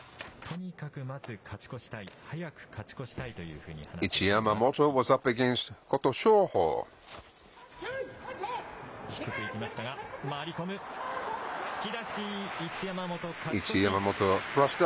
とにかくまず勝ち越したい、早く勝ち越したいというふうに話をしています。